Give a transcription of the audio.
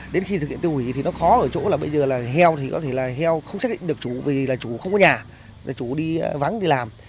nếu bây giờ là heo thì có thể là heo không xác định được chú vì là chú không có nhà chú đi vắng đi làm